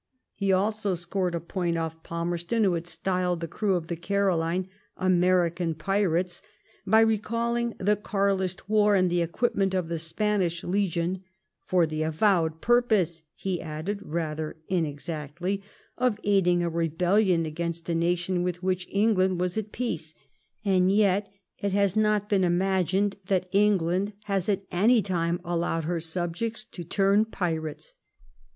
He also scored a point off Palmerston, who had styled the crew of the Caroline *' American pirates," by recalling the Carlist war and the equipment of the Spanish Legion, "for the avowed purpose," he added, rather in exactly, of aiding a rebellion against a nation with which England was at peace. ... And yet it has not been imagined that England has at any time allowed her subjects to turn pirates."